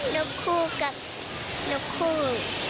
นกคู่กับนกคู่